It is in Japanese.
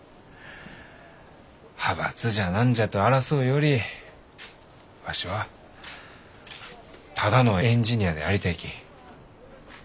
派閥じゃ何じゃと争うよりわしはただのエンジニアでありたいき。